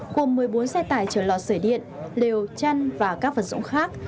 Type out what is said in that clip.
gồm một mươi bốn xe tải chở lọt sửa điện liều chăn và các vật dụng khác